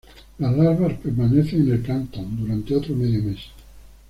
Las larvas permanecen en el plancton durante otro medio mes.